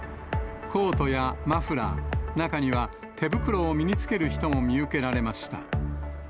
コートやマフラー、中には手袋を身につける人も見受けられました。